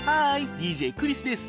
ＤＪクリスです。